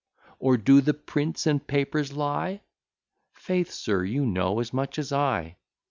Or do the prints and papers lie?" Faith, sir, you know as much as I.